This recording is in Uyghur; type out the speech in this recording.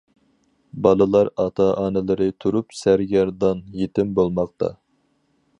بالىلار ئاتا- ئانىلىرى تۇرۇپ سەرگەردان يېتىم بولماقتا.